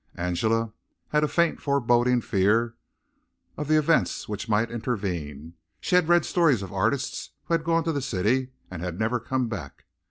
Angela had a faint foreboding fear of the events which might intervene. She had read stories of artists who had gone to the city and had never come back.